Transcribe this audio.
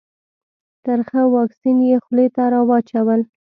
ترخه واکسین یې خولې ته راواچول.